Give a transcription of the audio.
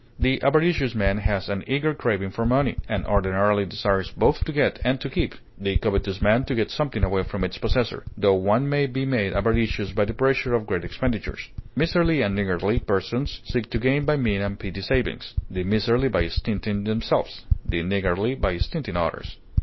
The avaricious man has an eager craving for money, and ordinarily desires both to get and to keep, the covetous man to get something away from its possessor; tho one may be made avaricious by the pressure of great expenditures. Miserly and niggardly persons seek to gain by mean and petty savings; the miserly by stinting themselves, the niggardly by stinting others.